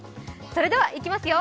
それではいきますよ。